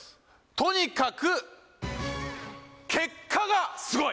とにかく結果がスゴい！